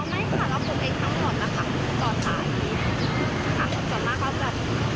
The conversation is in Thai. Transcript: เอาไหมคะรับผลงานทั้งหมดนะคะ